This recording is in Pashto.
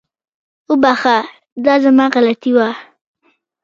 وبخښه، دا زما غلطي وه